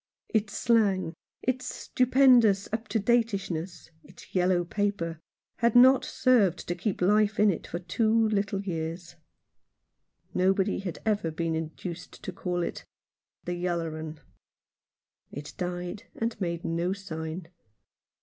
Its slang, its stupendous up to dateishness, its yellow paper, had not served to keep life in it for two little years. Nobody had ever been induced to call it "The yaller 'un." It died and made no sign.